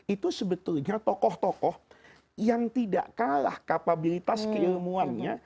itu sebetulnya tokoh tokoh yang tidak kalah kapabilitas keilmuannya